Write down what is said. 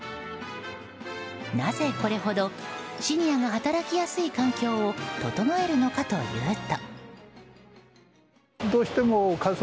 なぜ、これほどシニアが働きやすい環境を整えるのかというと。